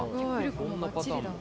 そんなパターンも。